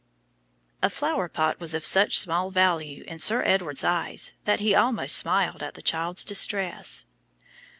A flower pot was of such small value in Sir Edward's eyes that he almost smiled at the child's distress.